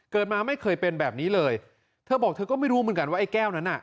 มาไม่เคยเป็นแบบนี้เลยเธอบอกเธอก็ไม่รู้เหมือนกันว่าไอ้แก้วนั้นน่ะ